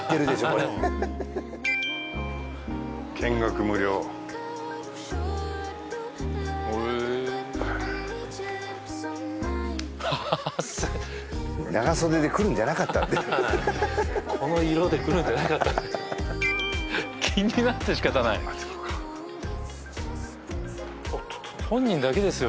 これ見学無料汗長袖で来るんじゃなかったってこの色で来るんじゃなかったって気になって仕方ない本人だけですよ